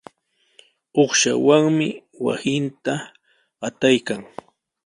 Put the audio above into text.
Uqshawanmi wasinta qataykan.